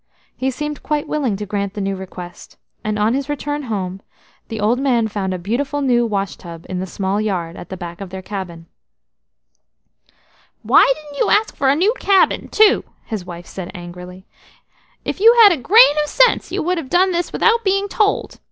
He seemed quite willing to grant the new request, and on his return home the old man found a beautiful new wash tub in the small yard at the back of their cabin. "'YOU SEE I HAVE KEPT MY PROMISE'" "Why didn't you ask for a new cabin too?" his wife said angrily. "If you had had a grain of sense you would have done this without being told.